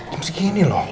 jam segini loh